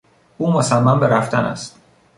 او مصمم به رفتن است.